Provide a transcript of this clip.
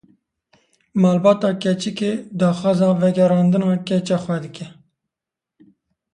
Malbata keçikê daxwaza vegerandina keça xwe dike.